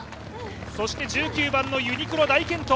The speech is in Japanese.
そして１９番のユニクロ、大健闘。